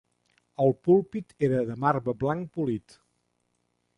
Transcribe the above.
El púlpit era de marbre blanc polit.